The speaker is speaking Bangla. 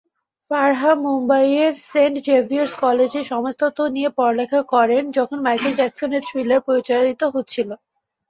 ফারাহ মুম্বাইয়ের সেন্ট জাভিয়ার’স কলেজে সমাজতত্ত্ব নিয়ে পড়ালেখা করেন যখন মাইকেল জ্যাকসনের থ্রিলার প্রচারিত হচ্ছিল।